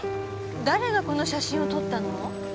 誰がこの写真を撮ったの？